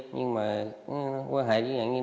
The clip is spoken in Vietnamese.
nhưng mà quan hệ với nhận nghiên